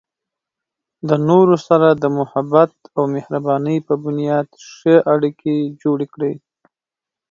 د نورو سره د محبت او مهربانۍ په بنیاد ښه اړیکې جوړې کړئ.